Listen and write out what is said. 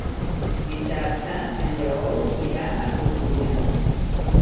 Dissabte en Lleó irà a Rodonyà.